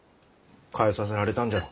変えさせられたんじゃろ。